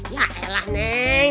ya elah neng